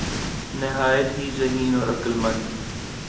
نہایت ہی ذہین اور عقل مند